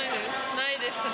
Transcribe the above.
ないですね。